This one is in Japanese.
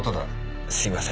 すいません。